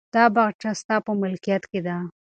دا باغچه ستا په ملکیت کې ده.